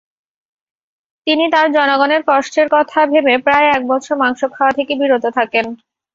তিনি তার জনগণের কষ্টের কথা ভেবে প্রায় এক বছর মাংস খাওয়া থেকে বিরত থাকেন।